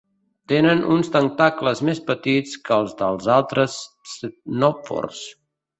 Tenen uns tentacles més petits que els d'altres ctenòfors.